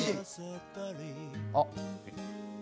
あっ。